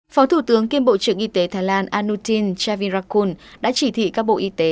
phó thủ tướng kiêm bộ trưởng y tế thái lan anutin javirakun đã chỉ thị các bộ y tế